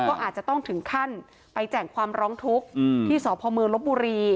ก็อาจจะต้องถึงขั้นไปแจ่งความร้องทุกข์ที่สพมลบบุรี